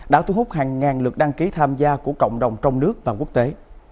đã thu hút hàng ngàn lượt đăng ký tham gia của cộng đồng trong nước và quốc tế